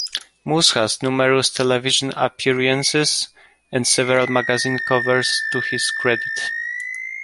Moose has numerous television appearances and several magazine covers to his credit.